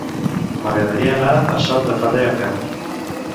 M'agradaria anar a Sot de Ferrer a peu.